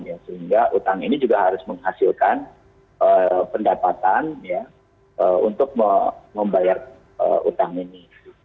ya sehingga utang ini juga harus menghasilkan pendapatan untuk membayar utang ini